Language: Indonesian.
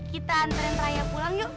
kita anterin rayya pulang yuk